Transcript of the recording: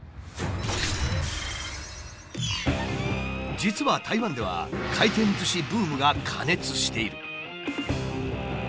実は台湾では回転ずしブームが過熱している。